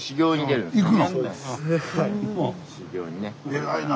偉いな。